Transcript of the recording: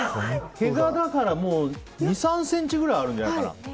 毛が、２３ｃｍくらいあるんじゃないかな。